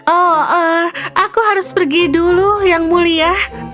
oh aku harus pergi dulu yang mulia